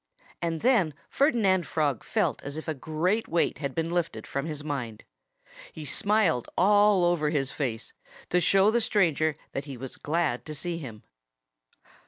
And then Ferdinand Frog felt as if a great weight had been lifted from his mind. He smiled all over his face, to show the stranger that he was glad to see him.